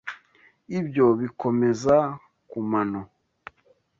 Ibyo bikomeza kumano.